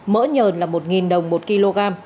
mỡ nhờn là một đồng một kg